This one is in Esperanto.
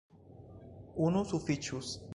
Unu sufiĉus.